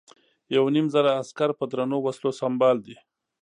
یو نیم زره عسکر په درنو وسلو سمبال دي.